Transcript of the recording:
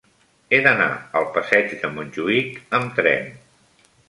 He d'anar al passeig de Montjuïc amb tren.